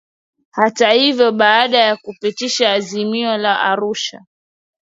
Hata hivyo baada ya kupitishwa Azimio la Arusha